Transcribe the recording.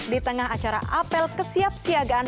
di tengah acara apel kesiap siagaan